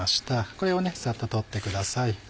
これをサッと取ってください。